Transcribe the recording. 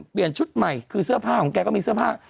เปลี่ยนชุดใหม่คือเสื้อผ้าของแกก็มีเสื้อผ้า